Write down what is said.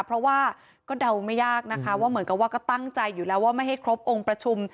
เพราะว่าก็เดาไม่ยากนะคะว่าเหมือนกับว่าก็ตั้งใจอยู่แล้วว่าไม่ให้ครบองค์ประชุม